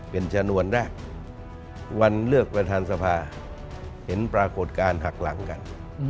เป็นชนวนแรกวันเลือกประธานสภาเห็นปรากฏการณ์หักหลังกัน